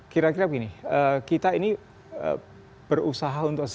kira kira begini kita ini berusaha untuk